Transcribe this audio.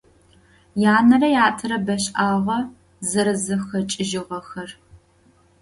Yanere yatere beş'ağe zerezexeç'ıjığexer.